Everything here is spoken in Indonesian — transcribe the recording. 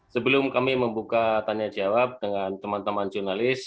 sebelum kami membuka tanya jawab dengan teman teman jurnalis